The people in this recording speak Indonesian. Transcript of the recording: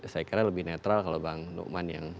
saya kira lebih netral kalau bang nuqman yang